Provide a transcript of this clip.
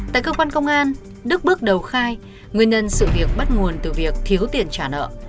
tại cơ quan công an đức bước đầu khai nguyên nhân sự việc bắt nguồn từ việc thiếu tiền trả nợ